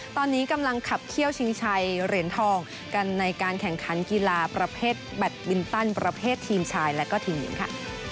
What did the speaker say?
ตอนนี้กำลังขับเขี้ยวชิงชัยเหรียญทองกันในการแข่งขันกีฬาประเภทแบตบินตันประเภททีมชายและก็ทีมหญิงค่ะ